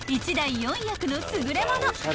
１台４役の優れもの］